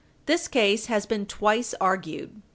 This case has been twice argued.